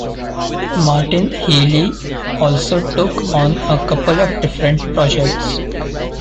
Martin Healy also took on a couple of different projects.